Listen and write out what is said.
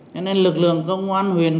thế nên lực lượng công an huyền